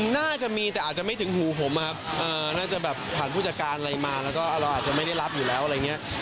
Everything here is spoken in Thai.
นี่แบบดีหรอมีอะไรด้วย